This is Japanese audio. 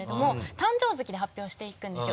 誕生月で発表していくんですよ